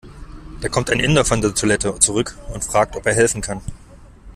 Da kommt ein Inder von der Toilette zurück und fragt, ob er helfen kann.